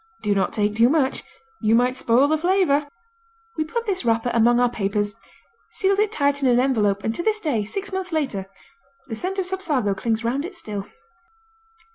Do not take too much, you might spoil the flavor. We put this wrapper among our papers, sealed it tight in an envelope, and to this day, six months later, the scent of Sapsago clings 'round it still.